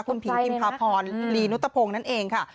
คุณผิงพิมพาพรลีนุตพงศ์นั่นเองค่ะ